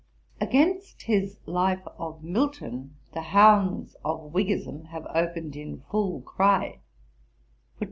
Against his Life of MILTON, the hounds of Whiggism have opened in full cry.